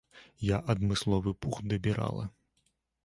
Я адмысловы пух дабірала.